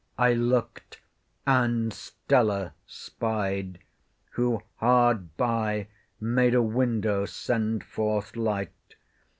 I look'd, and STELLA spied, Who hard by made a window send forth light.